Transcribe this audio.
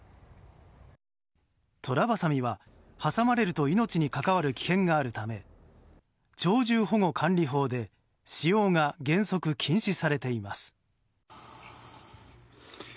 トラバサミは、挟まれると命に関わる危険があるため鳥獣保護管理法で使用が原則、禁止されています。